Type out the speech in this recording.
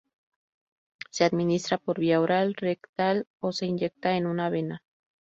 Se administra por vía oral, rectal, o se inyecta en una vena.